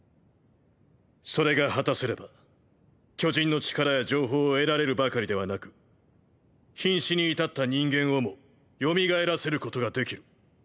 それが果たせれば巨人の力や情報を得られるばかりではなく瀕死に至った人間をも蘇らせることができる。